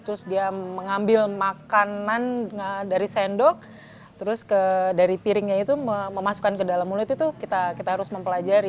terus dia mengambil makanan dari sendok terus dari piringnya itu memasukkan ke dalam mulut itu kita harus mempelajari